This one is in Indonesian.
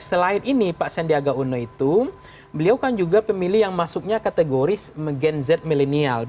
selain ini pak sandiaga uno itu beliau kan juga pemilih yang masuknya kategori gen z milenial